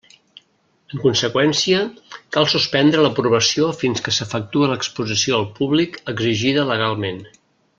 En conseqüència, cal suspendre l'aprovació fins que s'efectue l'exposició al públic exigida legalment.